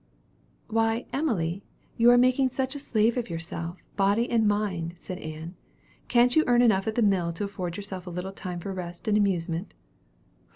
"Why, Emily, you are making a slave of yourself, body and mind," said Ann. "Can't you earn enough in the mill to afford yourself a little time for rest and amusement?"